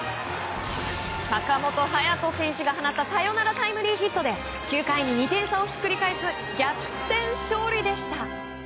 坂本勇人選手が放ったサヨナラタイムリーヒットで９回に２点差をひっくり返す逆転勝利でした。